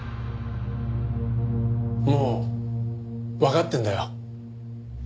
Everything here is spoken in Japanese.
もうわかってるんだよ。